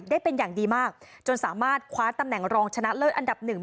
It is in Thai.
ได้เป็นอย่างดีมากจนสามารถคว้าตำแหน่งรองชนะเลิศอันดับหนึ่ง